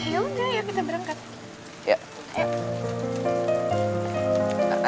yaudah yuk kita berangkat